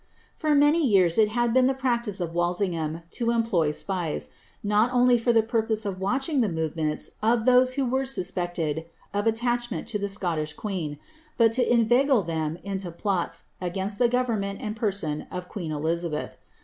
For many years it had been the practice of tValsingliam to eiuplov spiei', not only for the purpose of watching the movements of those who were suspected of aliaehment to the Scouish queen, but lo inveijie them into plots against the government and person of queen Elizabeib.